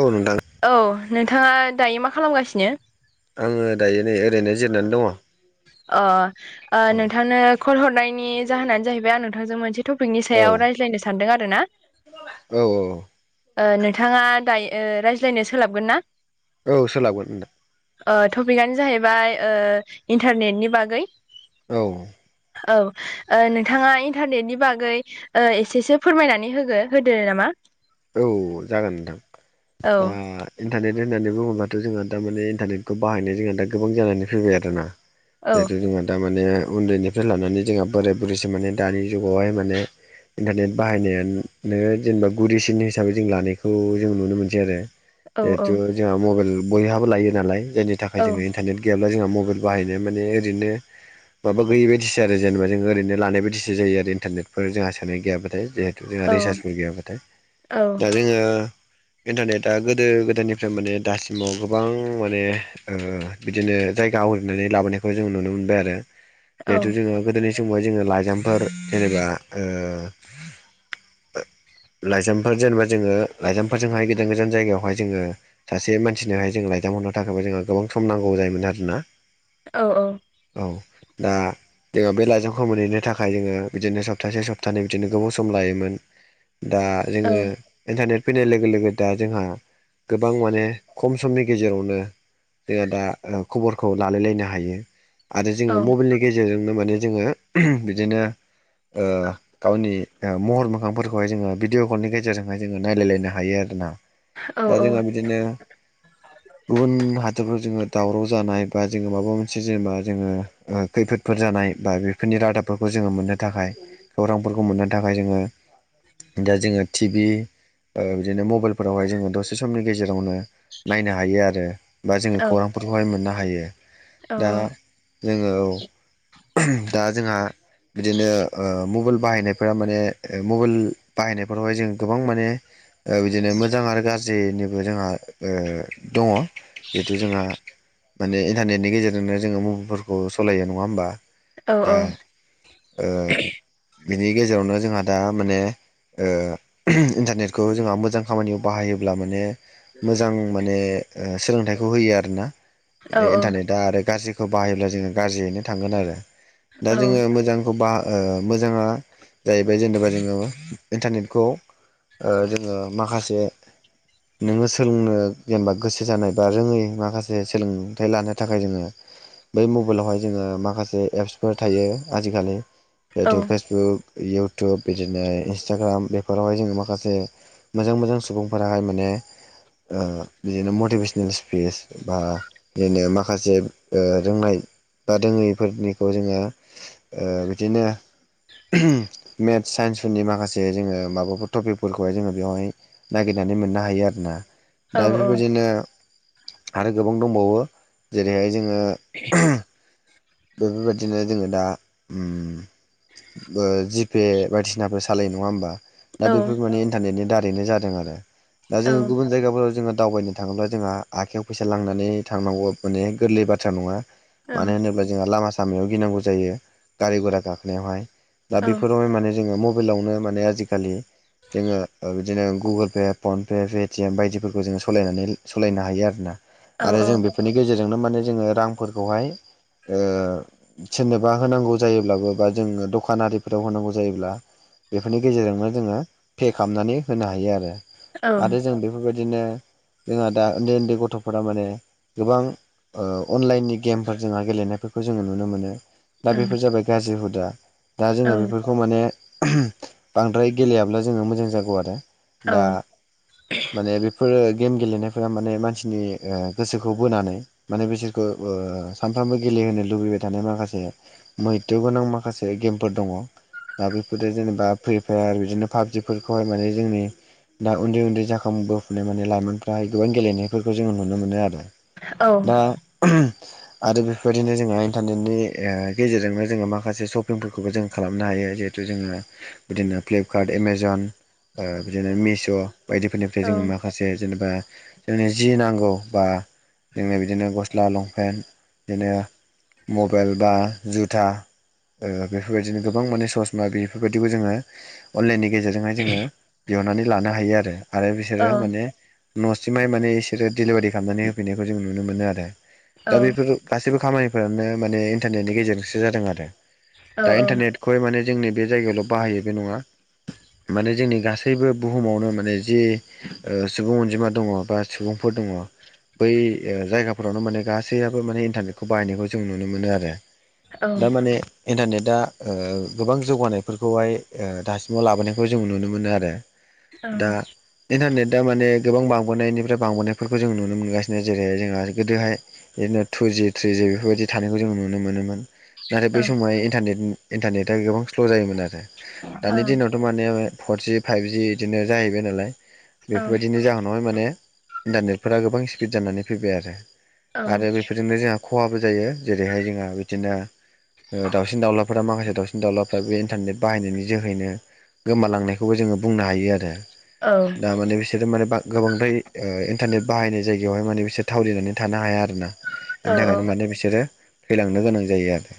औ नोंथां । औ नोंथाङा दायो मा खालामगासिनो? आङो दायो नै ओरैनो जिरनानै दङ । अ ओ नोंथांनो कल हरनायनि जाहोनानो जाहैबाय आं नोंथांजों मोनसे टपिकनि औ सायाव रायज्लायनो सानदों आरो ना । औ औ नोंथाङा दायो रायज्लायनो सोलाबगोन ना? औ सोलाबगोन नोंथां । ओ टपिकआनो जाहैबाय ओ इन्टारनेटनि बागै औ औ ओ नोंथाङा इन्टारनेटनि बागै एसेसो फोरमायनानै होगो होदो नामा । औ जागोन नोंथां दा औ इन्टारनेट होननानै बुङोब्लााथ' जोंहा दामाने इन्टारनेटखौ बाहायनाय जोंहा दा गोबां जानानै फैबाय आरो ना । औ जिथु जोंहा दामाने उन्दैनिफ्राय लानानै जोंहा बोराय बुरैसो माने दानि जुगावहाय माने इन्टारनेट बाहायनाया नोङो जेनेबा गुरि नि हिसाबै जों लानायखौ जों नुनो मोनसै आरो औ जिहेथु जोंहा मबाइल बयहाबो लायो नालाय जायनि थाखाय औ जोङो इन्टारनेट गैयाब्ला जोंहा मबाइल बाहायनाया माने ओरैनो माबा गैयि बायदि आरो जेनेबा जों ओरैनो लानाय बादिसो जायो आरो इन्टारनेटफोर जोंहा सोनाय गैयाबाथाय । जोङा औ रिसार्चफोर गैयाबाथाय औ दा जोङो इन्टारनेटआ गोदो गोदायनिफ्राय माने दासिमाव गोबां माने ओ बिदिनो जायगा आवग्रिनानै लाबोनायखौ जों नुनो मोनबाय आरो औ जिहेथु जोङो गोदोनि समाव लाइजामफोर जेनेबा ओ लाइजाम जेनेबा जोङो लाइजामफोरजोंहाय गोदान गोदान जायगायावहाय जोङो सासे मानसिनोहाय जों लाायजाम हरनो थाखायबो जोंहा गोबां सम नांगौ जायोमोन आरोना । औ औ औ दा जोङो बे लाइजामखौ मोनहैनो थाखाय जोङो बिदिनो सप्तासे सप्तानै बिदिनो गोबाव सम लायोमोन दा जोङो इन्टारनेट फैनाय लोगो लोगो दा जोंहा गोबां माने खम समनि गेजेरावनो जोंहा दा खबरखौ लालायलायनो हायो आरो औ जोङो मबाइलनि गेजेरजोंनो माने जोङो बिदिनो गावनि महर मोखांफोरखौहाय जोङो भिदिअ फननि गेजेरजोंहाय जोङो नायलायलायनो हायो आरोोना दा जोंहा बिदिनो गुबुन हादोरफ्राव जोङो दावराव जानाय बा जोङो माबा मोनसे जेनेबा जोङो। ओ खैफोदफोर जानाय बा बेफोरनि रादाबफोरखौ जोङो मोननो थाखाय खौरांफोरखौ मोननो थाखाय जोङो दा जोङो टि भि बिदिनो मबाइलफोरावहाय जोङो दसे समनि गेजेरावनो नायनो हायो आरो । बा जोङो औ खौरांफोरखौहाय मोननो हायो दा जोङो । दा जोंहा बिदिनो ओ मबाइल बाहायनायफोरा माने माबेल बाहनाय बेफोरावहाय जों गोबां माने बिदिनो मोजां आरो गाज्रि जेनिबो जोंहा दङ जिहेथु जोंहा माने इन्टारनेटनि गेजेरजोंनो जोङो मबाइलफोरखौ सलायो नङा होमबा दा ओ बिनि गेजेरावनो जोंहा दा माने ओ इन्टारनेटखौ जोंहा मोजां खामानियाव बाहायोब्ला माने मोजां माने ओ सोलोंथाइखौ होयो आरोना बे इन्टारनेट दा आरो गाज्रिखौ बाहायोब्ला जोङो गाज्रियैनो थांगोन आरो दा औ जोङो मोजांखौ बाह ओ मोजाङा जाहैबाय जेनेबा जोङो इन्टारनेटखौ ओ जोङो माखासे नोङो सोलोंनो जेनेबा गोसो जानाय बा रोङै माखासे सोलोंथाइ लानो थाखाय जोङो बै मबाइलावहाय जोङो माखासे एप्सफोर थायो आजिखालि औ जिहेथु फेसबुक इउटुब बिदिनो इन्सटाग्राम बेफोरावहाय जोङो माखासे मोजां मोजां सुबुंफोराहाय माने ओ बिदिनो मटिभेसनेल स्पिस बा बिदिनो माखासे ओ रोंनाय बा रोङैफोरनिखौ जोङो ओ बिदिनो मेथस साइन्स फोरनि माखासे जे जोङो माबाफोर टपिकफोरखौहाय जोङो बेवहाय नागिरनानै मोननो हायो आरो ना। औ दा बेफोरबायदिनो आरो गोबां दंबावो। जेरैहाय जोङो बेफोरबायदिनो जोङो दा जिपे बायदिसिनाफोर सालायनाय नङा होमबा दा औ बेफोर माने इन्टारनेटनि दारैनो जादों आरो दा जों गुबुन जायगाफोराव जोङो दावबायनो थाङोब्ला जोंहा आखायाव फैसा लांनानै थांनांगौ माने गोरलै बाथ्रा नङा औ मानो होनोब्ला जोंहा लामा सामायाव गिनांगौ जायो गारि गघरा गाखोनायावहाय दा औ बेफोरावहाय माने जोङो मबाइलावनो माने आजिखालि जोङो बिदिनो Google Pay PhonePe Paytm बायदिफोरखौ जोङो सालायनानै सालायनो हायो आरोना औ आरो जों बेफोरनि गेजेरजोंनो माने जोङो रांफोरखौहाय ओ सोरनोबा होनांगौ जायोब्लाबो बा जोङो दखानारिफोराव होनांगौ जायोब्ला। बेफोरनि गेजेरजोंनो जोङो पे खालामनानै होनो हायो आरो। औ आरो जों बेफोरबायदिनो जोंहा दा उन्दै उन्दै गथ'फोरा माने गोबां ओ अनलाइननि गेमफोर जोंहा गेलेनायफोरखौ जोङो नुनो मोनो। दा औ बेफोर औ जाबाय गाज्रि हुदा दा औ जोङो बेफोरखौ माने बांद्राय गेलेयाब्ला जोङो मोजां जागौ आरो दा माने बेफोरो गेम गेलेनायफोरा माने मानसिनि गोसोखौ बोनानै माने बिसोरखौ ओ सानफ्रामबो गेलेहोनो लुबैबाय थानाय माखासे मैथ' गोनां माखासे गेमफोर दङ दा बेफोरो जेनेबा फ्रि फायार बिदिनो पाबजिफोरखौहाय माने जोंनि दा उन्दै उन्दै जाखांबोफुनाय माने लाइमोनफ्राहाय गोबां गेलेनायफोरखौ जोंङो नुनो मोनो आरो। दा [unintelligible] आरो बेफोरबायदिनो जोङो इन्टारनेटनि ओ गेजेरजोंनो जोङो माखासे सपिंफोरखौबो जों खालामनो हायो जे जे जोङो बिदिनो फ्लिपकार्ट एमाजन बिदिनो मिश' बायदिफोरनिफ्राय जोङो मा माखासे जेनेबा जोंनो जि नांगौ बा जों बिदिनो गस गसला लंपेन्ट बिदिनो मबाइल बा जुथा ओ बेफोरबायदिनो गोबां माने ससमा बेफोरबायदिबो जोङो अनलाइननि गेजेरजोंहाय जोङो बिहरनानै लानो हायो आरो आरो बिसोरो माने न'सिमहाय माने इसोरो दिडिलिभारि खालामनानै होफैनायखौ जों नुनो मोनो आरो दा बेफोर गासैबो खामानिफ्रानो माने इन्टारनेटनि गेजेरजोंसो जादों आरो दा इन्टारनेट खौहाय माने जोंनि बे जायगायावल' बाहायो बे नङा माने जोंनि गासैबो बुहुमावनो माने जे ओ सुबुं अनजिमा दङ बा सुबुंफोर दङ। बै जायगाफोरावनो माने गासैयबो माने इन्टारनेटखौ बाहायनायखौ जों नुनो मोनो आरो। दामाने इन्टारनेटआ ओ गोबां जौगानायफोरखौहाय ओ दासिमाव लाबोनायखौ जों नुनो मोनो आरो दा इन्टारनेटआ माने गोबां बांबोनायनिफ्राय बांबोनायफोरखौ जों नुनो मोनगासिनो जेरै जोंहा गोदोहाय बिदिनो टुज जि थ्रिजि बेफोरबायदि थानायखौ जों नुनो मोनोमोन नाथाय बे समहायन्ने इन्टारनेटआ गोबां स्ल' जायोमोन आरो दानि दिनावथ' माने फरजि फाइभजि बिदिनो जाहैबाय नालाय बेफोरबायदिनि जाहोनावहाय माने इन्टारनेटफोरा गोबां स्पिड जानानै फैबाय आरो आरो बेफोरजोंनो जोंहा खहाबो जायो जेरैहाय जोंहा बिदिनो दावसिन दावउलाफोरा मासे दावसिन दावउलाफोरा बे इन्टारनेट बाहायनायनि जोहैनो गोमालांनायखौबो जोङो बुंनो हायो आरो दा माने बिसोरो माने बा गोबांद्राय इन्टारनेट बाहायनाय जायगायावहाय माने बिसोर थावलिनानै थानो हाया आरो ना औ बिनि थाखायनो माने बिसोरो थैलांनो गोनां जायो आरो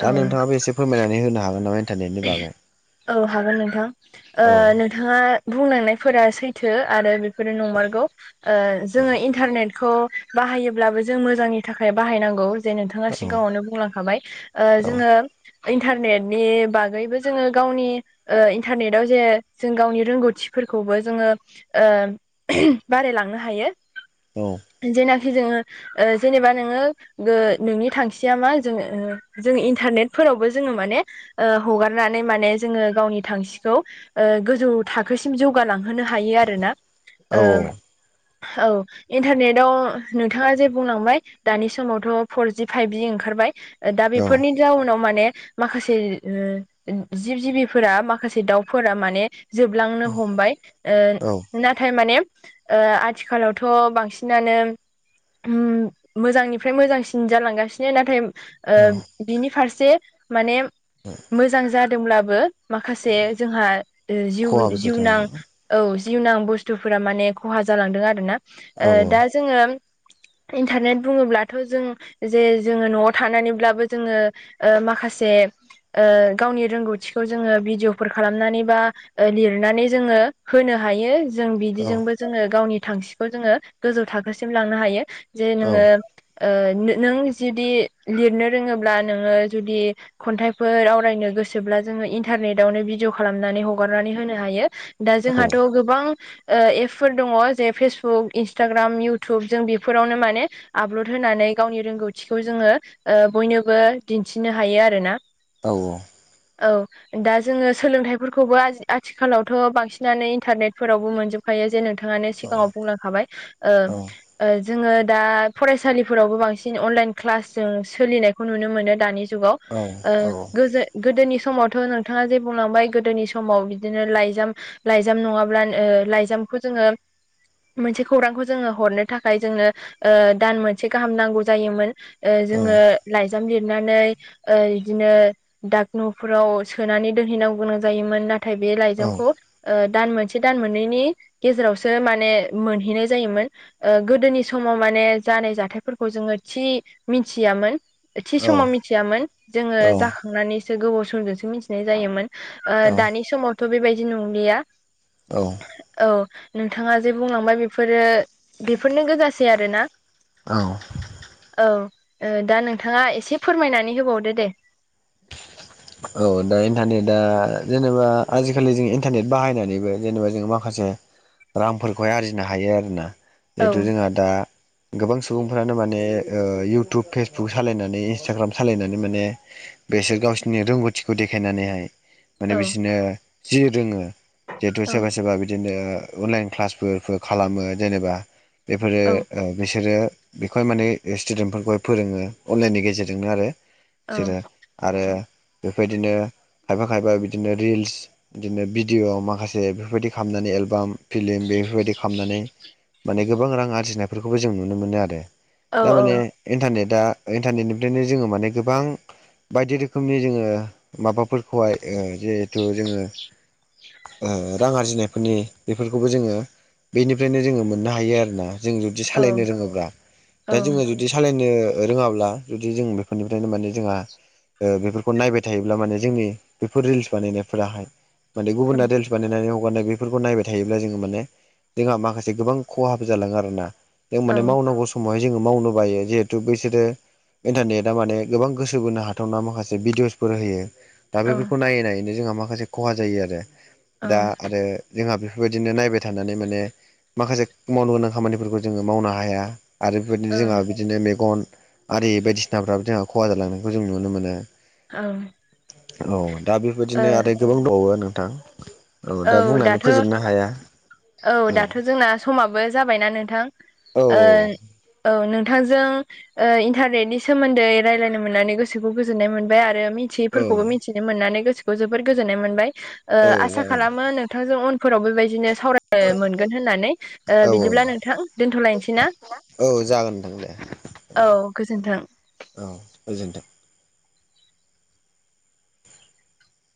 औ दा नोंथाङाबो एसे फोरमायनानै होनो हागोन नामा इन्टारनेटनि बागै औ हागोन नोंथां औ नोंथाङा बुंलांनायफोरा सैथो आरो बेफोरो नंमारगौ औ जोङो इन्टारनेटखौ बाहायोब्लाबो जों मोजांनि थाखाय बाहायनांगौ जे नोंथाङा औ सिगाङावनो बुंलांखाबाय जोङो इन्टारनेटनि बागै आगैबो जोङो गावनि इन्टारनेटआव जे जों गावनि रोंगौथिफोरखौबो जोङो बारायलांनो हायो औ जेनाखि जोङो ओ जेनेबा नोङो गो नोंनि थांखिया मा जोङो-जोङो इन्टारनेटफोरावबो जोङो माने ओ हगारनानै माने जोङो गावनि थांखिखौ ओ गोजौ थाखोसिम जौगालांहोनो हायो आरोना ओ औ इन्थारनेट आव नोंथाङा जे बुंलांबाय दानि समावथ' फरजि फाइभ जि ओंखारबाय दा औ बेफोरनि जाउनाव माने माखासे [unintelligible] जिब जिबिफोरा माखासे दाउफोरा माने जोबलांनो हमबाय ओ औ नाथाय माने ओ आथिखालावथ' बांसिनानो उम मोजांनिफ्राय मोजांसिन जालांगासिनो नाथाय औ ओ बिनि फारसे माने मोजां जादोंब्लाबो माखासे जोंहा जिउ- खहाबो जादों जिउनां आरो औ जिउनां बुस्थुफोरा माने खहा जालांदों आरो ना ओ दा जोङो इन्थारनेट बुङोब्लाथ' जों जे जोङो न'आव थानानैब्लाबो जोङो ओ माखासे ओ गावनि रोंगौथिखौ जोङो भिडिअ'फोर खालामनानै बा लिरनानै जोङो होनो हायो‌। जों औ बिदिजोंबो जोङो गावनि थांखिखौ जोङो गोजौ थाखोसिम लांनो हायो। जे औ जोङो ओ नों जुदि लिरनो रोङोब्ला नोङो जुदि खन्थाइ फोर आवरायनो गोसोब्ला जोङो इन्टारनेटआवनो भिडिअ खालामनानै हगारनानै होनो हायो। दा औ जोंहाथ' गोबां ओ एपफोर दङ जे फेसबुक इन्सटाग्राम इयउटुब जों बेफोरावनो माने आपलड होनानै गावनि रोंगौथिखौ जोङो ओ बयनोबो दिन्थिनो हायो आरोना औ औ औ दा जोङो सोलोंथाइफोरखौबो आज आथिखालावथ' बांसिनानो इन्थारनेटफोरावबो मोनजोब खायो जे नोंथाङानो सिगाङाव बुंलांखाबाय ओ औ ओ जोङो दा फरायसालिफोरावबो बांसिन अनलाइन क्लास जों सोलिनायखौ नुनो मोनो दानि जुगाव ओ [unintelligible] गोदोनि समावथ' नोंथाङा जे बुंलांबाय गोदोनि समाव बिदिनो लाइजाम लाइजाम नङाब्ला ओ लाइजामखौ जोङो मोनसे खौरांखौ जोङो हरनो थाखाय जोंनो ओ दान मोनसे गाहाम नांगौ जायोमोन। जोङो औ लाइजाम लिरनानै ओ बिदिनो दक न'फोराव सोनानै दोनहैनांगौ गोनां जायोमोन नाथाय बे लाइजामखौ ओ दान मोनसे दान मोननैनि गेजेरावसो माने मोनहैनाय जायोमोन। ओ गोदोनि समाव माने जानाय जाथायफोरखौ जोङो थि मिथियामोन। थि समाव मिथियामोन जोङो जाखांनानैसो गोबाव समजोंसो मिथिनाय जायोमोन। ओ दानि समावथ' बेबायदि नंलिया। औ। औ नोंथाङा जे बुंलांबाय बेफोरो बेफोरनो गोजासै आरो ना। औ। औ दा नोंथाङा एसे फोरमायनानै होबावदो दे। [inaudible] औ दा इन्टारनेटआ जेनेबा आजिखालि जों इन्टारनेट बाहायनानैबो जेनेबा जों माखासे रांफोरखौहाय आरजिनो हायो आरोना औ जिहेथु जोंहा दा गोबां सुबुंफ्रानो माने ओ इयउटुब फेसबुक सालायनानै इन्सटाग्राम सालायनानै माने [inaudible] बेसोर गावसिनि रोंगौथिखौ देखायनानैहाय माने औ बिसोरनो जि रोङो जिहेतु औ सोरबा सोरबा बिदिनो अनलाइन क्लासफोरफोर खालामो जेनेबा बेफोरो औ बिसोरो बेखौहाय माने स्टुदेन्टफोरखौहाय फोरोङो अनलाइननि गेजेरजोंनो आरो बिसोरो। आरो बेबायदिनो खायफा खायफा बिदिनो रिल्स बिदिनो भिडिय' माखासे बेफोरबायदि खालामनानै एलबाम फिलिम बेफोरबायदि खालामनानै माने गोबां रां आरजिनायफोरखौबो जों नुनो मोनो आरो। औ दामाने इन्टारनेटआ इन्टारनेटनिफ्रायनो जोङो माने गोबां बायदि रोखोमनि जोङो माबाफोरखौहाय जिहेथु जोङो ओ रां आरजिनायफोरनि बेफोरखौबो जोङो बेनिफ्रायनो जोङो मोननो हायो आरोना। जों जुदि औ सालायनो रोङोब्ला औ दा जोङो जु जुदि सालायनो रोङाब्ला जुदि जों बेफोरनिफ्रायनो माने जोंहा ओ बेफोरखौ नायबाय थायोब्ला माने जोंनि बेफोर रिल्स बानायनायफोराहाय माने गुबुना रिल्स बानायनानै हगारनाय बेफोरखौ नायबाय थायोब्ला जोङो माने जोंहा माखासे गोबां खहाबो जालाङो आर ना। जों माने मावनांगौ समावहाय जोङो मावनो बायो जिहेथु बैसोरो इन्टारनेटआ माने गोबां गोसो बोनो हाथावना माखासे भिडिअसफोर होयो दा औ बेफोरखौ नायै नायैनो जोंहा माखासे खहा जायो आरो दा आरो जोंहा बेफोरबायदिनो नायबाय थानानै माने माखासे मावनो गोनां खामानिफोरखौ जोङो मावनो हाया। आरो बेबायदिनो जोंहा बिदिनो मेगन आरि बायदिसिनाफ्राबो जोंहा खहा जालांनायखौ जों नुनो मोनो। औ औ दा बेबायदिनो ओ आरो गोबां दावो नोंथां औ दा बुंनानै फोजोबनो हाया औ दाथ' जोंना समाबो जाबायना नोंथां औ ओ औ नोंथांजों ओ इन्टारनेटनि सोमोन्दै रायलायनो मोननानै गोसोखौ गोजोननाय मोनबाय आरो मि थियै औ फोरखौबो मिथिनो मोननानै गोसोखौ जोबोर गोजोननाय मोनबाय ओ आसा खालामो नोंथांजों उन फोराव बेबायदिनो सावराय मोनगोन होननानै ओ औ जागोन औ औ बिदिब्ला नोंथां दोनथ'लायनोसै ना? औ जागोन नोंथां दे। औ गोजोन्थों। औ गोजोनथों।